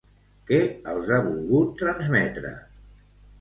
Què els ha volgut transmetre?